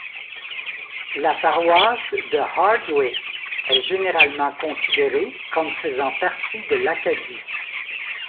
La paroisse de Hardwicke est généralement considérée comme faisant partie de l'Acadie.